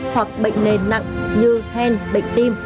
hoặc bệnh nền nặng như hen bệnh tim